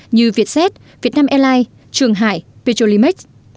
như vietjet vietnam airlines trường hải petrolimit